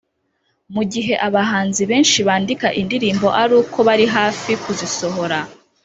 Mu gihe abahanzi benshi bandika indirimbo ari uko bari hafi kuzisohora